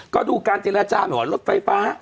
ก็ดูการติดและจ้าเหมือนกับรถไฟฟ้า